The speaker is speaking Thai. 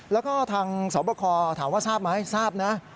แล้วก็ทางสอบคอถามว่าทราบไหมทราบนะ